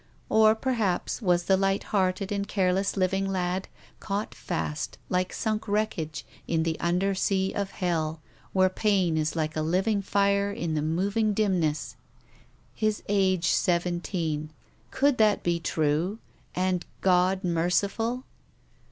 Or, perhaps, was the light hearted and care less living lad caught fast, like sunk wreckage, in the under sea of Hell, where pain is like a living fire in the moving dimness? "His age seven teen." Could that be true and God merciful